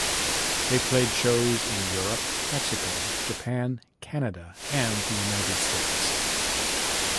They played shows in Europe, Mexico, Japan, Canada, and the United States.